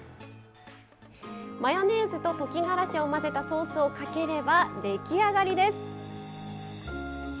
マヨネーズと溶きがらしを混ぜたソースをかければ出来上がりです。